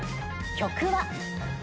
曲は。